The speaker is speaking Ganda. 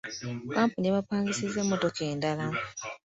Kampuni yapangisizza emmotoka endala.